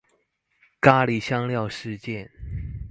咖哩香料事件